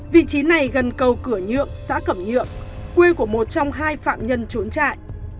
vị trí này gần cầu cửa nhượng xã cẩm nhượng quê của một trong hai phạm nhân trốn trại